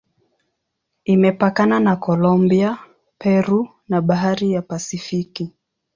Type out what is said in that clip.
Imepakana na Kolombia, Peru na Bahari ya Pasifiki.